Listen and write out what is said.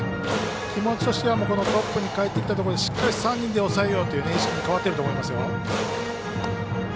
気持ちとしては、トップにかえってきたところでしっかり３人で抑えようという意識に変わっていると思います。